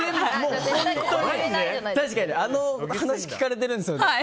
確かにあの話、聞かれてるんですよね。